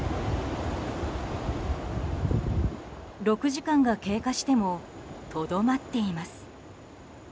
６時間が経過してもとどまっています。